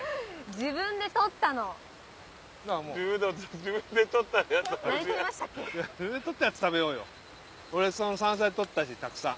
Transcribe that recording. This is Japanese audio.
自分でとったやつ食べようよ俺その山菜採ったしたくさん。